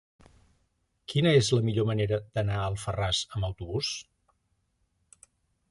Quina és la millor manera d'anar a Alfarràs amb autobús?